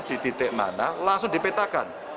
di titik mana langsung dipetakan